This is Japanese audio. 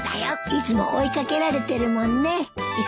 いつも追い掛けられてるもんね。